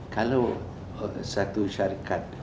kalau satu syarikat